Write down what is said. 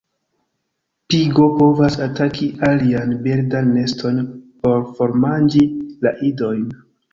Pigo povas ataki alian birdan neston por formanĝi la idojn.